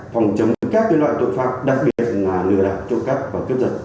phòng chấm các cái loại tội phạm đặc biệt là ngừa đạn trộm cắp và cướp rật